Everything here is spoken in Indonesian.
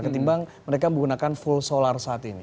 ketimbang mereka menggunakan full solar saat ini